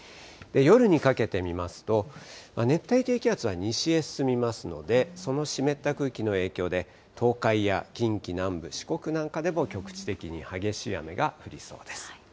夜にかけて見ますと、熱帯低気圧は西へ進みますので、その湿った空気の影響で、東海や近畿南部、四国なんかでも局地的に激しい雨が降りそうです。